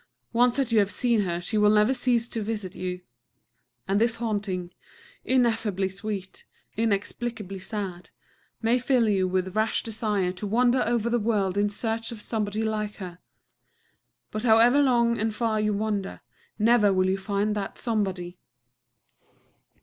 Once that you have seen her she will never cease to visit you. And this haunting, ineffably sweet, inexplicably sad, may fill you with rash desire to wander over the world in search of somebody like her. But however long and far you wander, never will you find that somebody.